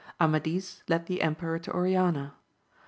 Amadis led the emperor to Oriana.